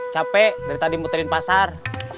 capek dari tadi muterin pasar